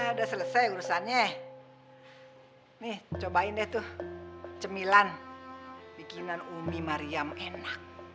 udah selesai urusannya nih cobain deh tuh cemilan bikinan umi mariam enak